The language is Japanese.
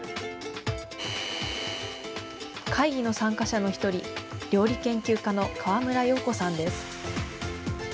会議の参加者の一人、料理研究家の川村葉子さんです。